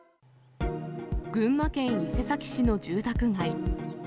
群馬県伊勢崎市の住宅街。